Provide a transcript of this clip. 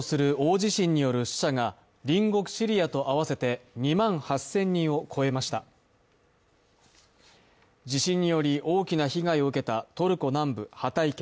地震により大きな被害を受けたトルコ南部ハタイ県。